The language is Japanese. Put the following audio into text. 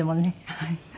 はい。